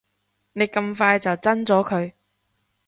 你咁快就憎咗佢